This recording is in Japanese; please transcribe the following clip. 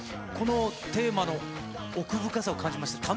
このテーマの奥深さを感じました。